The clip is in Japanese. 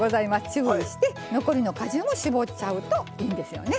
注意して残りの果汁も搾っちゃうといいんですよね。